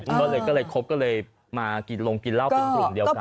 เพราะเลยจะคบมากินร่องกินเล่าก็เป็นกลุ่มเดียวกัน